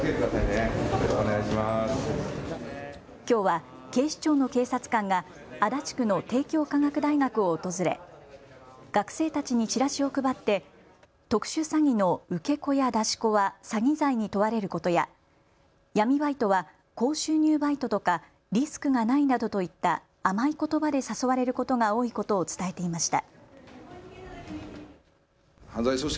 きょうは警視庁の警察官が足立区の帝京科学大学を訪れ学生たちにチラシを配って特殊詐欺の受け子や出し子は詐欺罪に問われることや闇バイトは高収入バイトとかリスクがないなどといった甘いことばで誘われることが多いことを伝えていました。